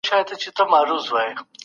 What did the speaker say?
دوی د دماغي حملې له خطر سره مخ دي.